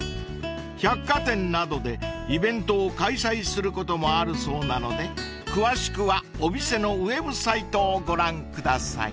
［百貨店などでイベントを開催することもあるそうなので詳しくはお店のウェブサイトをご覧ください］